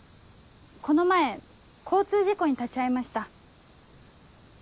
この前交通事故に立ち会いました。